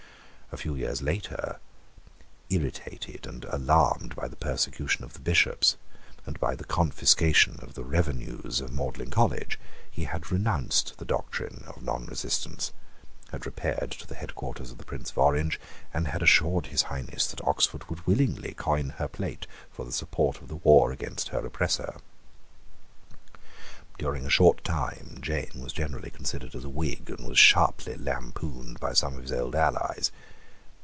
A few years later, irritated and alarmed by the persecution of the Bishops and by the confiscation of the revenues of Magdalene College, he had renounced the doctrine of nonresistance, had repaired to the headquarters of the Prince of Orange, and had assured His Highness that Oxford would willingly coin her plate for the support of the war against her oppressor. During a short time Jane was generally considered as a Whig, and was sharply lampooned by some of his old allies.